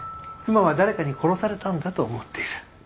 妻は誰かに殺されたんだと思っている。